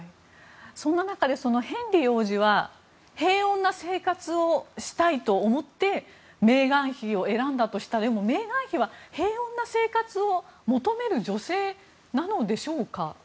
そんな中でヘンリー王子は平穏な生活をしたいと思ってメーガン妃を選んだとしたらメーガン妃は平穏な生活を求める女性なのでしょうか。